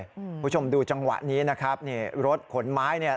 คุณผู้ชมดูจังหวะนี้นะครับนี่รถขนไม้เนี่ย